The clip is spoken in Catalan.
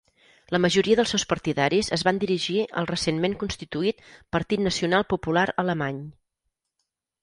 La majoria dels seus partidaris es van dirigir al recentment constituït Partit Nacional Popular Alemany.